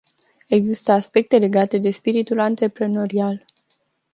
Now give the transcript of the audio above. Există aspecte legate de spiritul antreprenorial.